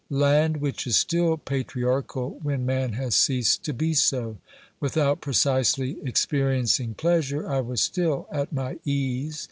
Land which is still patriarchal when man has ceased to be so ! Without precisely experi encing pleasure, I was still at my ease.